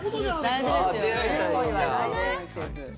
大事ですよね。